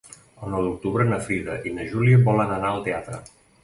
El nou d'octubre na Frida i na Júlia volen anar al teatre.